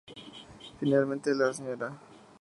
Finalmente, la Sra.